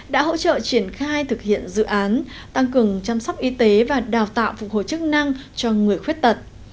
đã hỗ trợ triển khai thực hiện dự án tăng cường chăm sóc y tế và đào tạo phục hồi chức năng cho người khuyết tật